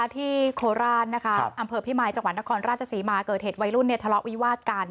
โคราชอำเภอพิมายจังหวัดนครราชศรีมาเกิดเหตุวัยรุ่นทะเลาะวิวาดกัน